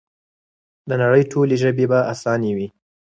د نړۍ ټولې ژبې به اسانې وي؛